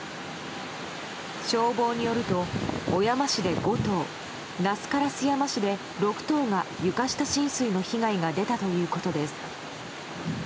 消防によると、小山市で５棟那須烏山市で６棟が床下浸水の被害が出たということです。